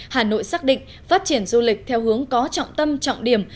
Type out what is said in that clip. hà nội xác định phát triển du lịch theo hướng có trọng tâm trọng điểm